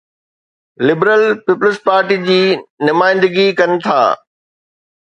Liberal peoples party جي نمائندگي ڪن ٿا.